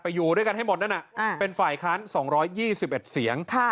อยู่ด้วยกันให้หมดนั่นเป็นฝ่ายค้าน๒๒๑เสียง